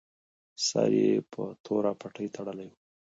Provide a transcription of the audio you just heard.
سر یې په توره پټۍ تړلی.